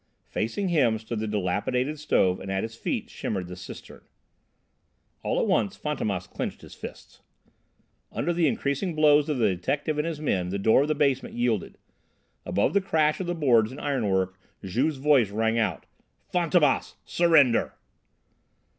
Facing him stood the dilapidated stove and at his feet shimmered the cistern. All at once Fantômas clenched his fists. Under the increasing blows of the detective and his men the door of the basement yielded. Above the crash of the boards and iron work Juve's voice rang out: "Fantômas! Surrender!"